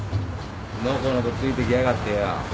のこのこついてきやがってよ。